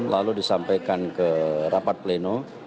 lalu disampaikan ke rapat pleno